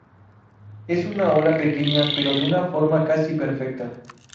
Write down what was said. Es una ola pequeña pero de una forma casi perfecta.